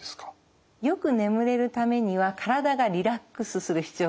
よく眠れるためには体がリラックスする必要がある。